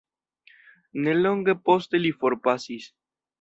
Ne longe poste li forpasis.